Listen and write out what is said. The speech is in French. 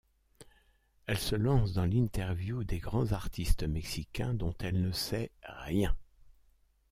Elle se lance dans l'interview des grands artistes mexicains dont elle ne sait rien.